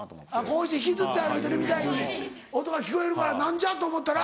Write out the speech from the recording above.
こうして引きずって歩いてるみたいに音が聞こえるから何じゃ？と思ったら？